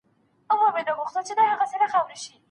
هغه پخپله اوږه ډېري مڼې نه دي وړې.